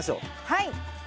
はい。